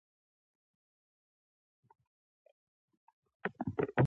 هر ملګری په ډاډه زړه په بستره کې وغځېد.